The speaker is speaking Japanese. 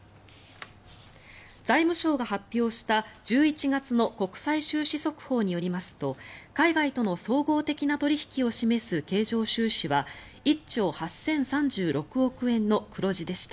財務省が発表した１１月の国際収支速報によりますと海外との総合的な取引を示す経常収支は１兆８０３６億円の黒字でした。